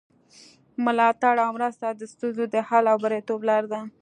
ملاتړ او مرسته د ستونزو د حل او بریالیتوب لاره ده.